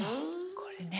これね。